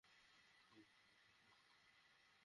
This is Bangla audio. কিন্তু তারা তাদের অঙ্গীকার পূর্ণ করল না।